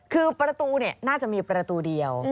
คือประตูน่าจะมีประตูเดียว